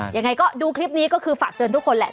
ยังไงก็ดูคลิปนี้ก็คือฝากเตือนทุกคนแหละ